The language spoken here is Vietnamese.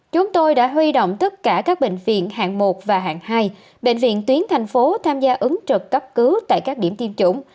chúng tôi đã huy động tất cả các bệnh viện hạng một và hạng hai bệnh viện tuyến thành phố tham gia ứng trực cấp cứu tại các điểm tiêm chủng